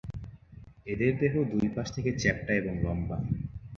এদের দেহ দুই পাশ থেকে চ্যাপ্টা এবং লম্বা।